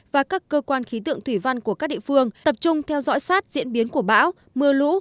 và các cơ quan khí tượng thủy văn của các địa phương tập trung theo dõi sát diễn biến của bão mưa lũ